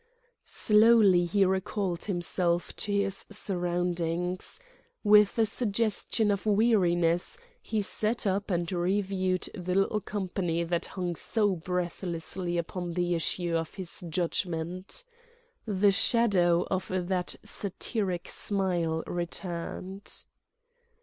Slowly he recalled himself to his surroundings; with a suggestion of weariness he sat up and reviewed the little company that hung so breathlessly upon the issue of his judgment. The shadow of that satiric smile returned.